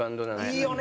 いいよね！